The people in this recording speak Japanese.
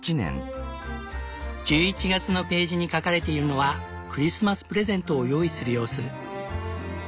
１１月のページに描かれているのはクリスマスプレゼントを用意する様子。